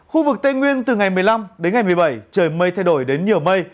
khu vực tây nguyên từ ngày một mươi năm đến ngày một mươi bảy trời mây thay đổi đến nhiều mây